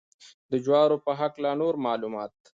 د جوارو په هکله نور معلومات.